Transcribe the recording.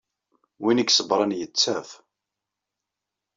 Win ay iṣebbren, yettaf.